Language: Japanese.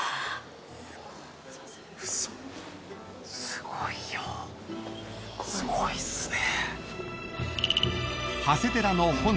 ・すごいよすごいっすね。